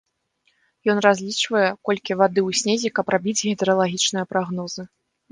Ён разлічвае, колькі вады ў снезе, каб рабіць гідралагічныя прагнозы.